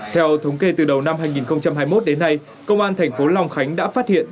theo thống kê từ đầu năm hai nghìn hai mươi một đến nay công an thành phố long khánh đã phát hiện